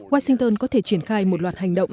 washington có thể triển khai một loạt hành động